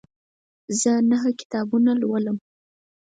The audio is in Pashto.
زه نهه کتابونه لولم.